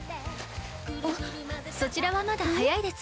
あっそちらはまだ早いです。